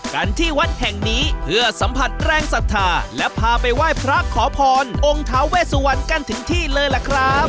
กันที่วัดแห่งนี้เพื่อสัมผัสแรงศรัทธาและพาไปไหว้พระขอพรองค์ท้าเวสวันกันถึงที่เลยล่ะครับ